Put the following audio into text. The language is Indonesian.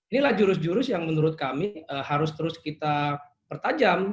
inilah jurus jurus yang menurut kami harus terus kita pertajam